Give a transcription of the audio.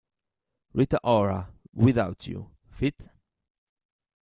Rita Ora, "Without You" ft.